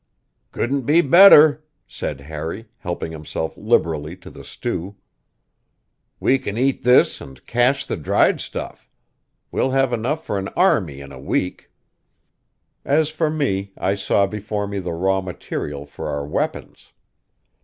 "Couldn't be better," said Harry, helping himself liberally to the stew. "We can eat this, and cache the dried stuff. We'll have enough for an army in a week." "As for me, I saw before me the raw material for our weapons.